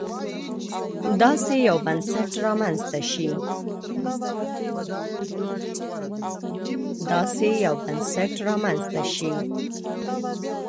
داسې یو بنسټ رامنځته شي.